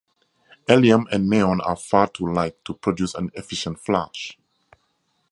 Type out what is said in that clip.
Helium and neon are far too light to produce an efficient flash.